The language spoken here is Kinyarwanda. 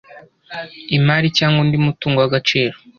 imari cyangwa undi mutungo w agaciro